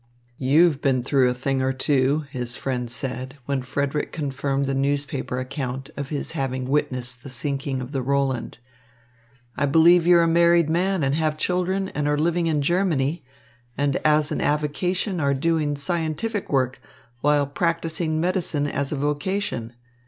"You've been through a thing or two," his friend said, when Frederick confirmed the newspaper account of his having witnessed the sinking of the Roland. "I believe you're a married man and have children and are living in Germany, and as an avocation are doing scientific work, while practising medicine as a vocation.